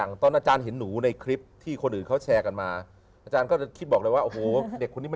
ก็ก็ได้เพิ่มมาอีก๑๐๐๐บาทนึง